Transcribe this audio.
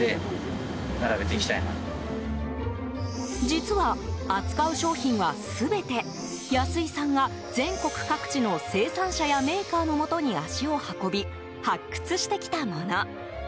実は、扱う商品は全て安井さんが全国各地の生産者やメーカーのもとに足を運び発掘してきたもの。